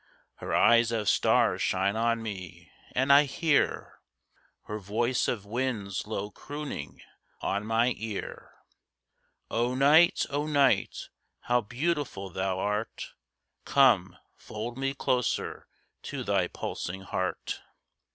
Her eyes of stars shine on me, and I hear Her voice of winds low crooning on my ear. O Night, O Night, how beautiful thou art! Come, fold me closer to thy pulsing heart.